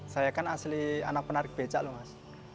saya kan asli anak penarik becak loh mas